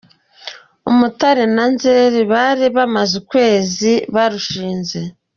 Umutare na Nzere bari bamaze ukwezi barushinze.